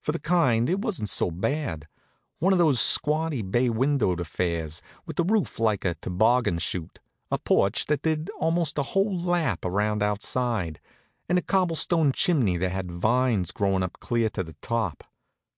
For the kind, it wa'n't so bad one of those squatty bay windowed affairs, with a roof like a toboggan chute, a porch that did almost a whole lap around outside, and a cobblestone chimney that had vines growin' clear to the top.